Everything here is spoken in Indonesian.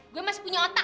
gue masih punya otak